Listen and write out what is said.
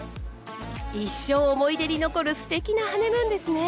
一生思い出に残るすてきなハネムーンですね。